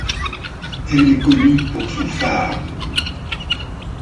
Elle est connue pour son phare.